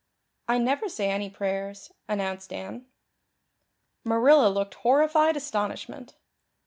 "I never say any prayers," announced Anne. Marilla looked horrified astonishment.